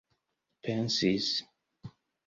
pensis